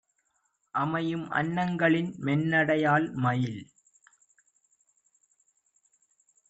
அமையும்அன் னங்களின் மென்னடையால் - மயில்